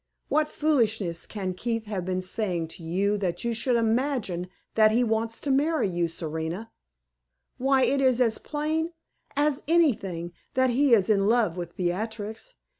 What foolishness can Keith have been saying to you that you should imagine that he wants to marry you, Serena? Why, it is as plain as anything that he is in love with Beatrix.